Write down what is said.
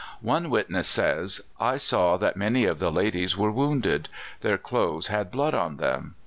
One witness says: "I saw that many of the ladies were wounded. Their clothes had blood on them.